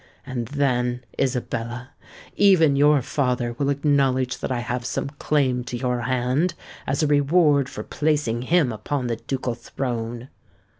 And, then, Isabella, even your father will acknowledge that I have some claim to your hand as a reward for placing him upon the ducal throne!"